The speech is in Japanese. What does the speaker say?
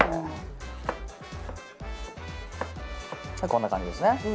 こんな感じです。